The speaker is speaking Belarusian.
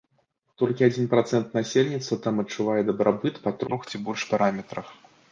Толькі адзін працэнт насельніцтва там адчувае дабрабыт па трох ці больш параметрах.